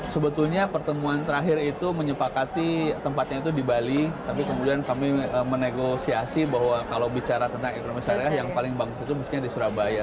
sebetulnya pertemuan terakhir itu menyepakati tempatnya itu di bali tapi kemudian kami menegosiasi bahwa kalau bicara tentang ekonomi syariah yang paling bagus itu mestinya di surabaya